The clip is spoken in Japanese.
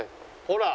ほら。